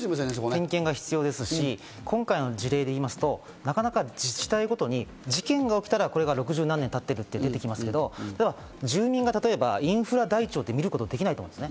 点検も必要ですし、今回の事例でいうと、なかなか自治体ごとに事件が起きたら６０何年経ってるって出てきますけど、住民が例えば、インフラ台帳で見ることできないと思うんです。